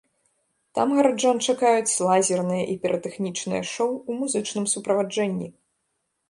Там гараджан чакаюць лазернае і піратэхнічнае шоу ў музычным суправаджэнні.